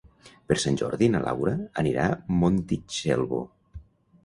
Per Sant Jordi na Laura anirà a Montitxelvo.